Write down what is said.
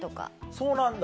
そうなんだ。